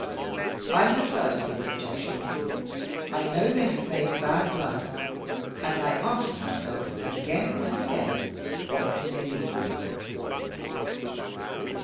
I have heard of these objections; I know they have made bad blood; and I ask myself again and again, what can they be?"